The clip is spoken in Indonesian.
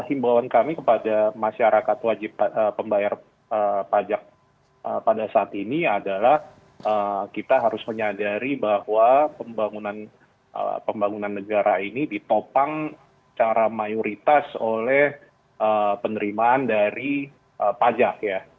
himbawan kami kepada masyarakat wajib pembayar pajak pada saat ini adalah kita harus menyadari bahwa pembangunan negara ini ditopang secara mayoritas oleh penerimaan dari pajak ya